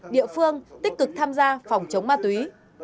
địa phương tích cực tham gia phòng chống ma túy